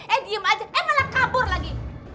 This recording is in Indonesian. eh diem aja eh malah kabur lagi